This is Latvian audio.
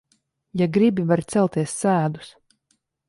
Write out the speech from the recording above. Ja gribi, vari celties sēdus.